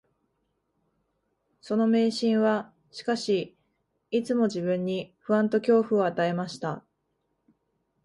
その迷信は、しかし、いつも自分に不安と恐怖を与えました